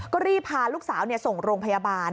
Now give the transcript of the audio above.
ก็รีบพาลูกสาวส่งโรงพยาบาล